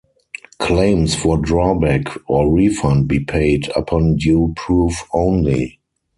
Claims for drawback or refund be paid upon due proof only.